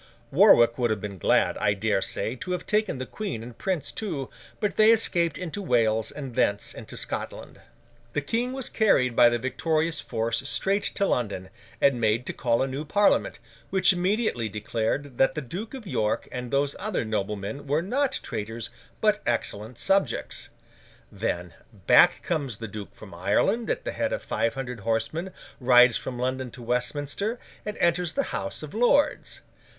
Warwick would have been glad, I dare say, to have taken the Queen and Prince too, but they escaped into Wales and thence into Scotland. The King was carried by the victorious force straight to London, and made to call a new Parliament, which immediately declared that the Duke of York and those other noblemen were not traitors, but excellent subjects. Then, back comes the Duke from Ireland at the head of five hundred horsemen, rides from London to Westminster, and enters the House of Lords.